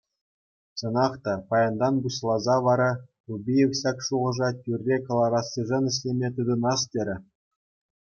Чӑнах та, паянтан пуҫласа вара Убиев ҫак шухӑша тӳрре кӑларассишӗн ӗҫлеме тытӑнас терӗ.